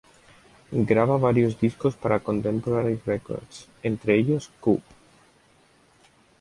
Graba varios discos para Contemporary Records, entre ellos "Coop!